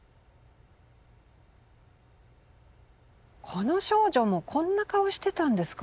この少女もこんな顔してたんですか。